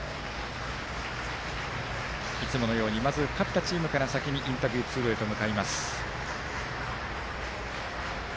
いつものようにまず勝ったチームから先にインタビュー通路へ向かいます。